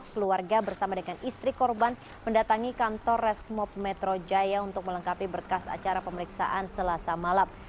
keluarga bersama dengan istri korban mendatangi kantor resmob metro jaya untuk melengkapi berkas acara pemeriksaan selasa malam